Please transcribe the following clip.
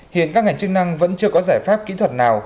hiện các ngành chức năng vẫn chưa có giải pháp kỹ thuật nào